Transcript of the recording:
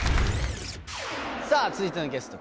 さぁ続いてのゲスト